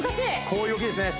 こういう動きですね